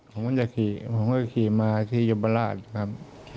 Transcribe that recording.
ผมก็จะขี่ผมก็ขี่มาที่ยมราชครับ